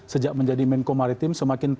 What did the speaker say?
sejak menjadi main komaritim